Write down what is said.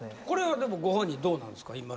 これはご本人どうなんですか？